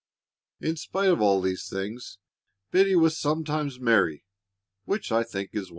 In spite of all these things, Biddy was sometimes merry, which I think is wonderful.